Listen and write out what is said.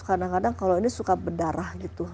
kadang kadang kalau ini suka berdarah gitu